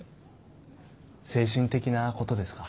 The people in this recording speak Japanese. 精神的なことですか？